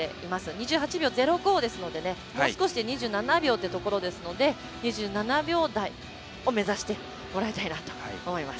２８秒０５ですのでもう少しで２７秒というところですので２７秒台を目指してもらいたいなと思います。